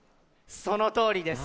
そのとおりです！